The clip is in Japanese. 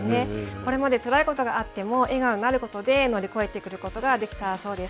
これまでつらいことがあっても笑顔になることで乗り越えてくることができたそうです。